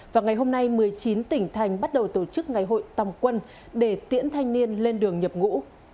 và ngày hôm nay một mươi chín tỉnh thành bắt đầu tổ chức ngày hội tòng quân để tiễn thanh niên lên đường nhập ngũ